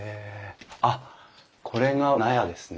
あっこれが納屋ですね。